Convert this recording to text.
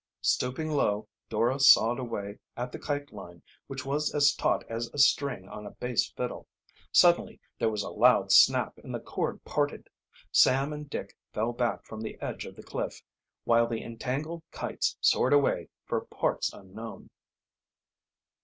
Stooping low, Dora sawed away at the kite line, which was as taut as a string on a bass fiddle. Suddenly there was a loud snap and the cord parted. Sam and Dick fell back from the edge of the cliff, while the entangled kites soared away for parts unknown.